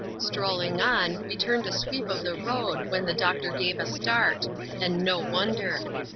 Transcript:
Strolling on, we turned a sweep of the road, when the doctor gave a start ; and no wonder.